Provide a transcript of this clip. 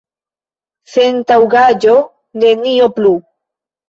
Sentaŭgaĵo, nenio plu!